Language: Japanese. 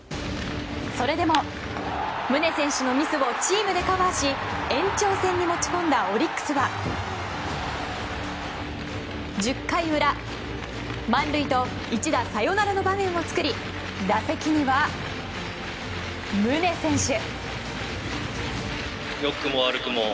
それでも宗選手のミスをチームでカバーし延長戦に持ち込んだオリックスは１０回裏、満塁と一打サヨナラの場面を作り打席には宗選手。